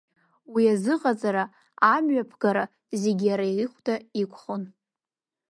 Уи азыҟаҵара, амҩаԥгара, зегьы иара ихәда иқәхон.